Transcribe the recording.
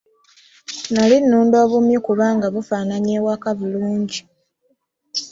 Nali nunda obumyu kubanga bufaananya ewaka bulungi.